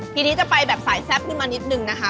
ทีนี้จะไปแบบสายแซ่บขึ้นมานิดนึงนะคะ